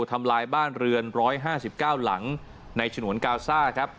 ทำลายบ้านเรือน๑๕๙หลังในฉนวนกาซ่าครับ